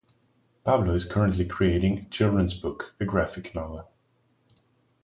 Pablo is currently creating a children's book, a graphic novel.